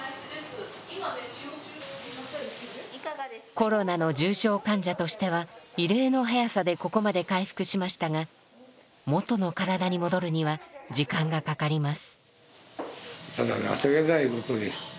コロナの重症患者としては異例の早さでここまで回復しましたが元の体に戻るには時間がかかります。